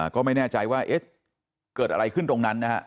ก็ไม่แน่ใจว่าเอ๊ะเกิดอะไรขึ้นตรงนั้นนะฮะ